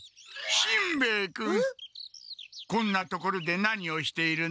こんな所で何をしているの？